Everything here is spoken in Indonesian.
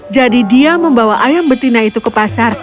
jadi dia membawa ayam betina itu ke pasar